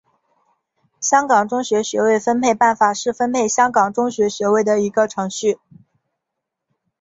香港中学学位分配办法是分配香港中学学位的一个程序。